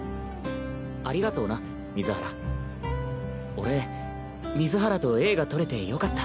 俺水原と映画撮れてよかった。